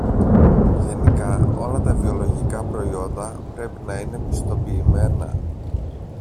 Γενικά, όλα τα βιολογικά προϊόντα πρέπει να είναι πιστοποιημένα